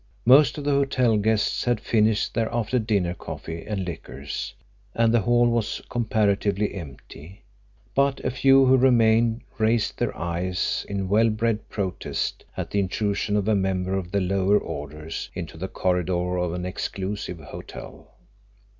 Most of the hotel guests had finished their after dinner coffee and liqueurs, and the hall was comparatively empty, but a few who remained raised their eyes in well bred protest at the intrusion of a member of the lower orders into the corridor of an exclusive hotel.